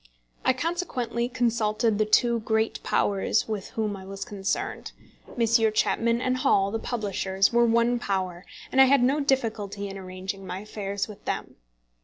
I consequently consulted the two great powers with whom I was concerned. Messrs. Chapman & Hall, the publishers, were one power, and I had no difficulty in arranging my affairs with them.